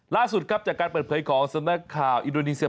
ล่าสุดจากการเปิดเผยของสนุนข่าวอิโดนีเซีย